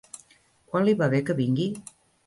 Quan li va bé que vingui?